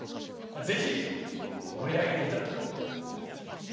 ぜひ盛り上げていた。